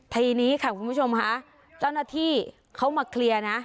ทีนี้ค่ะคุณผู้ชมฮะจ้อนาธิเขามาเคลียร์นะ